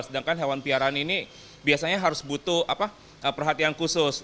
sedangkan hewan piharan ini biasanya harus butuh perhatian khusus